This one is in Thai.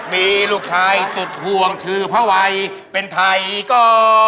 มีลูกชายสุดห่วงชื่อพระวัยเป็นไทยก็